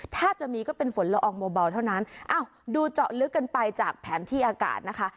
ถ้าจะมีก็เป็นฝนละอองเบาเท่านั้นอ้าวดูเจาะลึกกันไปจากแผนที่อากาศนะคะ